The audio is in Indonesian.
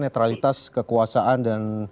netralitas kekuasaan dan